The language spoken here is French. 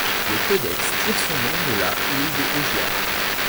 Le codex tire son nom de la île de Augia.